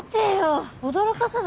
驚かさないで。